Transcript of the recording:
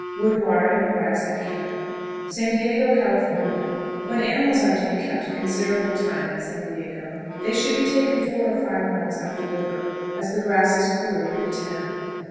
Wood, water, and grass at camp. San Diego, California. When animals are to be kept a considerable time at San Diego, they should be taken four or five miles up the river, as the grass is poor near the town.